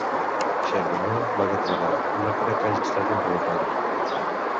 Charbonneau va declarar: No crec que hagi estat un robatori.